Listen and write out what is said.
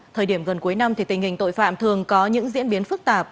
thời điểm gần cuối năm thì tình hình tội phạm thường có những diễn biến phức tạp